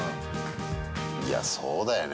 いや、そうだよね